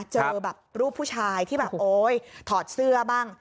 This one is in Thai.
เจอแบบรูปผู้ชายที่แบบโอ๊ยถอดเสื้อบ้าง